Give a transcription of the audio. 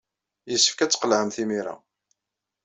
Yessefk ad tqelɛemt imir-a.